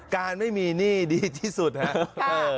การไม่มีหนี้ดีที่สุดครับ